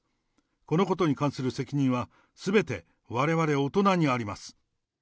このことに関する責任は、すべて、われわれ大人にあります。